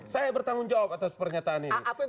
saya bertanggung jawab atas pernyataan ini